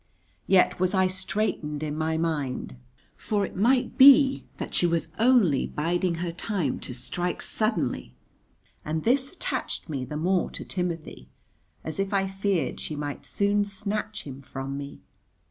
Yet was I straitened in my mind. For it might be that she was only biding her time to strike suddenly, and this attached me the more to Timothy, as if I feared she might soon snatch him from me.